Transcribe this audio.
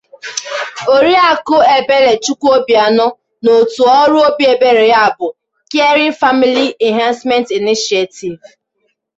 Oriakụ Ebelechukwu Obianọ nà òtù ọrụ obiebere ya bụ 'Caring Family Enhancement Initiative